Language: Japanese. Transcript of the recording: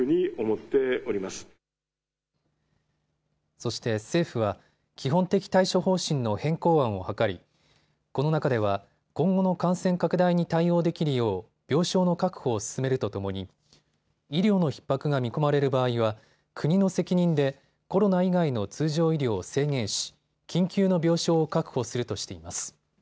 そして政府は基本的対処方針の変更案を諮り、この中では今後の感染拡大に対応できるよう病床の確保を進めるとともに医療のひっ迫が見込まれる場合は国の責任でコロナ以外の通常医療を制限し緊急の病床を確保するとしています。